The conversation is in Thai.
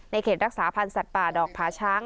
เขตรักษาพันธ์สัตว์ป่าดอกผาช้าง